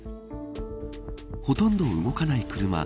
ほとんど動かない車。